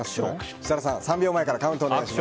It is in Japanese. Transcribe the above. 設楽さん、３秒前からカウントお願いします。